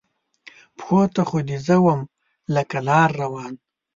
پښو ته خو دې زه وم لکه لار روان